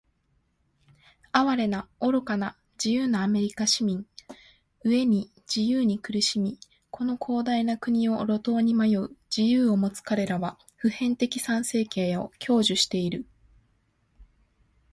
哀れな、愚かな、自由なアメリカ市民！飢えに「自由」に苦しみ、この広大な国を路頭に迷う「自由」を持つかれらは、普遍的参政権を享受している。